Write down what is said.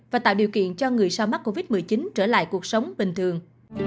và tạo điều kiện cho người sau mắc covid một mươi chín trở lại cuộc sống bình thường